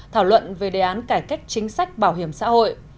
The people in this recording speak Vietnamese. thảo luận về đề án cải cách chính sách bảo hiểm xã hội